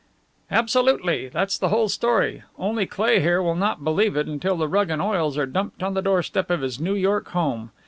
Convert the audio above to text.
"Absolutely! That's the whole story. Only Cleigh here will not believe it until the rug and oils are dumped on the door step of his New York home.